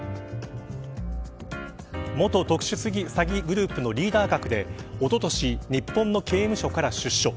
元特殊詐欺グループのリーダー格でおととし日本の刑務所から出所。